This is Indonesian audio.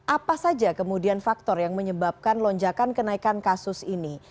apa saja kemudian faktor yang menyebabkan lonjakan kenaikan kasus ini